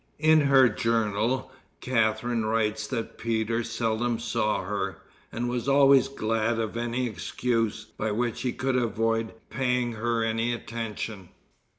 In her journal Catharine writes that Peter seldom saw her, and was always glad of any excuse by which he could avoid paying her any attention.